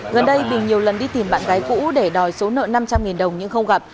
gần đây bình nhiều lần đi tìm bạn gái cũ để đòi số nợ năm trăm linh đồng nhưng không gặp